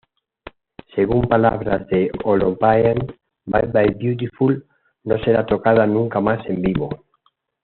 Según palabras de Holopainen, "Bye Bye Beautiful" no será tocada nunca más en vivo.